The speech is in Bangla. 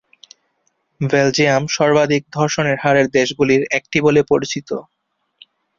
বেলজিয়াম সর্বাধিক ধর্ষণের হারের দেশগুলির একটি বলে পরিচিত।